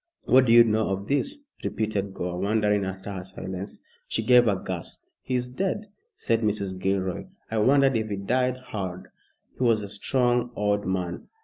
"What do you know of this?" repeated Gore, wondering at her silence. She gave a gasp. "He is dead," said Mrs. Gilroy. "I wonder if he died hard. He was a strong old man."